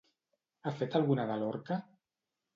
Ha fet alguna de Lorca?